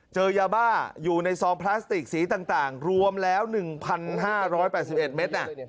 เจอยาบ้าอยู่ในซองพลาสติกสีต่างรวมแล้ว๑๕๘๑เมตร